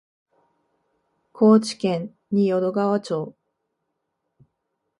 高知県仁淀川町